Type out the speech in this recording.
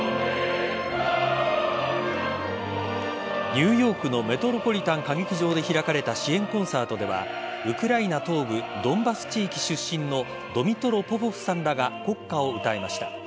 ニューヨークのメトロポリタン歌劇場で開かれた支援コンサートではウクライナ東部ドンバス地域出身のドミトロ・ポポフさんらが国歌を歌いました。